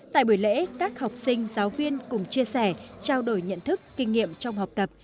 tại buổi lễ các học sinh giáo viên cùng chia sẻ trao đổi nhận thức kinh nghiệm trong học tập